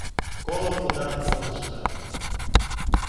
Коло пудан возышто